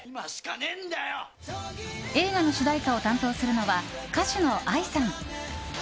映画の主題歌を担当するのは歌手のＡＩさん。